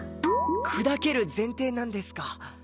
砕ける前提なんですか。